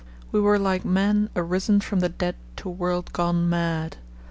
We were like men arisen from the dead to a world gone mad.